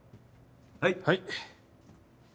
はい。